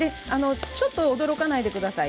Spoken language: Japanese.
ちょっと驚かないでください。